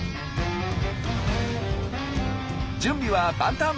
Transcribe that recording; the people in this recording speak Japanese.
準備は万端！